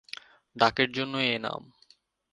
ডাকের জন্যই এই নাম।